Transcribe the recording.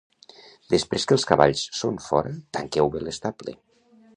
Després que els cavalls són fora, tanqueu bé l'estable.